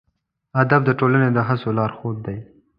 هدف د ټولنې د هڅو لارښود دی.